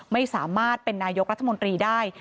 ไม่สามารถเป็นนายกรัฐมนตรีได้